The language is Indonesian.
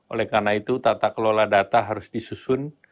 oleh karena itu tata kelola data harus disusun